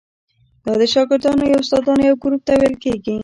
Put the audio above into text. دا د شاګردانو یا استادانو یو ګروپ ته ویل کیږي.